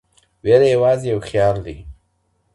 ویره یوازي یو خیال دی.